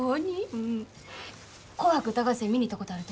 うん「紅白歌合戦」見に行ったことあると？